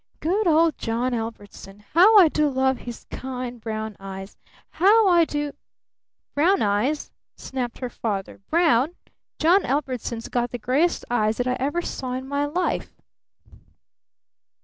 "Good old John Ellbertson. How I do love his kind brown eyes how I do " "Brown eyes?" snapped her father. "Brown? John Ellbertson's got the grayest eyes that I ever saw in my life!"